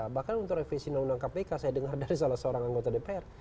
bahkan untuk revisi undang undang kpk saya dengar dari salah seorang anggota dpr